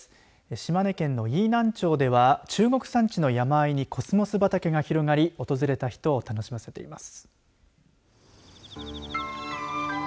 島根県の飯南町では中国山地の山あいにコスモス畑が広がり訪れた人を楽しませています。